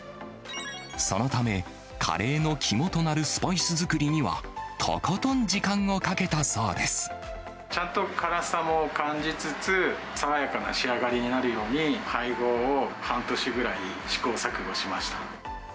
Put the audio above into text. そのため、カレーの肝となるスパイス作りには、とことん時間をかけたそうでちゃんと辛さも感じつつ、爽やかな仕上がりになるように、配合を半年ぐらい試行錯誤しました。